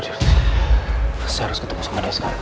saya harus ketemu sama dia sekarang